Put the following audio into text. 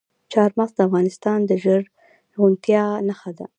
چار مغز د افغانستان د زرغونتیا نښه ده.